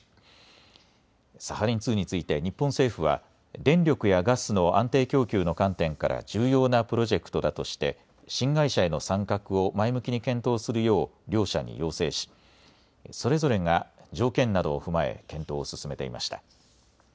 サハリン２について日本政府は電力やガスの安定供給の観点から重要なプロジェクトだとして新会社への参画を前向きに検討するよう両社に要請し、それぞれが条件などを踏まえ検討を進めていました。